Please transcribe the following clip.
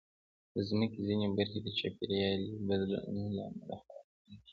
د مځکې ځینې برخې د چاپېریالي بدلونونو له امله خرابېږي.